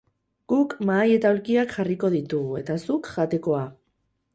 Guk mahai eta aulkiak jarriko ditugu eta zuk jatekoa.